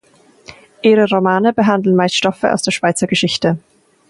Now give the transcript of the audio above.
Ihre Romane behandeln meist Stoffe aus der Schweizer Geschichte.